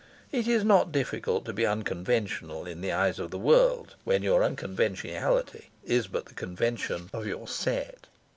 It is not difficult to be unconventional in the eyes of the world when your unconventionality is but the convention of your set.